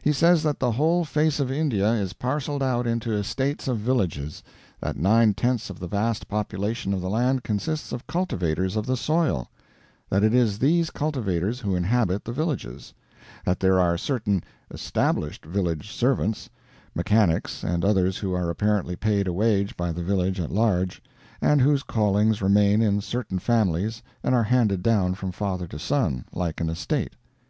He says that the whole face of India is parceled out into estates of villages; that nine tenths of the vast population of the land consist of cultivators of the soil; that it is these cultivators who inhabit the villages; that there are certain "established" village servants mechanics and others who are apparently paid a wage by the village at large, and whose callings remain in certain families and are handed down from father to son, like an estate.